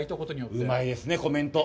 うまいですね、コメント。